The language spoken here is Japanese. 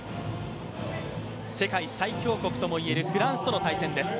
世界最強国ともいえるフランスとの大戦です。